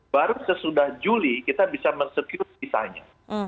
baru sesudah juli kita bisa mensecure sisanya